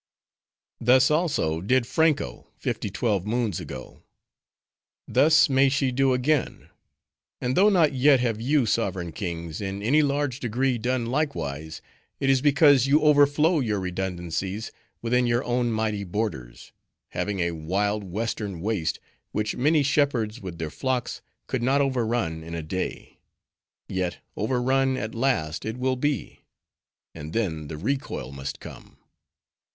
"Thus, also, did Franko, fifty twelve moons ago. Thus may she do again. And though not yet, have you, sovereign kings! in any large degree done likewise, it is because you overflow your redundancies within your own mighty borders; having a wild western waste, which many shepherds with their flocks could not overrun in a day. Yet overrun at last it will be; and then, the recoil must come.